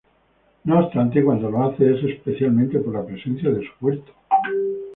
No obstante, cuando lo hace, es especialmente por la presencia de su puerto.